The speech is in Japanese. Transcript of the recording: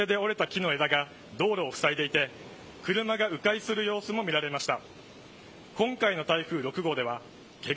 川の向こう側では風で折れた木の枝が道路をふさいでいて車が迂回する様子も見られました。